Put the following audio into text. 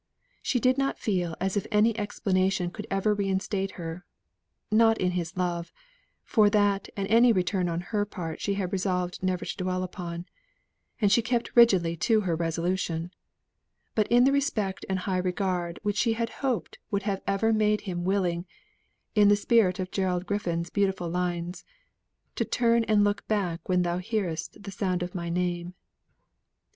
She did not feel as if any explanation could ever reinstate her not in his love, for that and any return on her part she had resolved never to dwell upon, and she kept rigidly to her resolution but in the respect and high regard which she had hoped would have ever made him willing, in the spirit of Gerald Griffin's beautiful lines, "To turn and look back when thou hearest The sound of my name."